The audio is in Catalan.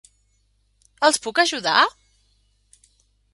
Els puc ajudar?